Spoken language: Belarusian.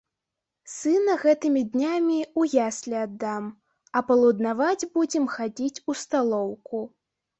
Сына гэтымі днямі ў яслі аддам, а палуднаваць будзем хадзіць у сталоўку.